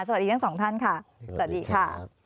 สวัสดีทั้งสองท่านค่ะสวัสดีค่ะ